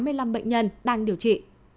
các bệnh nhân đang điều trị